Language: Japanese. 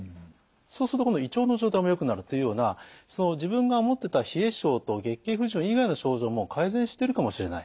そうすると今度胃腸の状態もよくなるというようなその自分が思ってた冷え性と月経不順以外の症状も改善してるかもしれない。